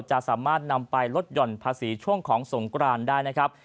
จะสามารถนำไปลดหย่อนภาษีช่วงของสงกรานได้นะครับ